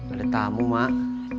ada tamu mak